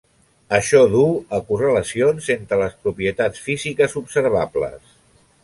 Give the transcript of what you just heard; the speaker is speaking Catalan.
Això duu a correlacions entre les propietats físiques observables.